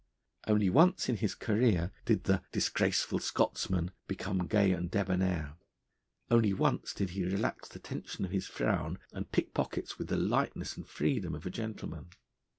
Only once in his career did the 'disgraceful Scotsman' become gay and debonair. Only once did he relax the tension of his frown, and pick pockets with the lightness and freedom of a gentleman.